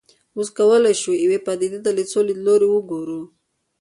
اوس کولای شو یوې پدیدې ته له څو لیدلوریو وګورو.